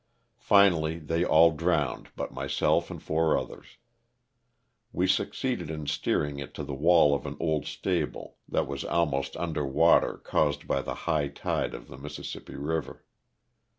Finally they all drowned but myself and four others. We succeeded in steering it to the wall of an old stable, that was almost under water caused by the high tide of the Mississippi river.